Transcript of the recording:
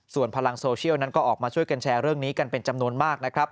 ส่วนพลังโซเชียลนั้นก็ออกมาช่วยกันแชร์เรื่องนี้กันเป็นจำนวนมากนะครับ